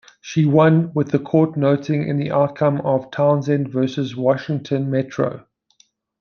She won, with the court noting in the outcome of Townsend versus Washington Metro.